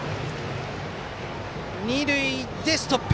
二塁でストップ。